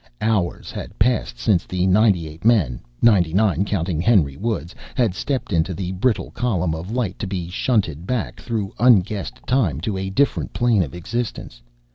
Hours had passed since the ninety eight men ninety nine, counting Henry Woods had stepped into the brittle column of light to be shunted back through unguessed time to a different plane of existence.